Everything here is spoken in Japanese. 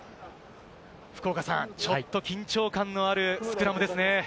福岡さん、ちょっと緊張感のあるスクラムですね。